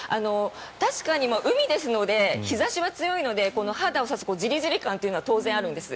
確かに海ですので日差しは強いので肌を刺すジリジリ感というのは当然、あるんです。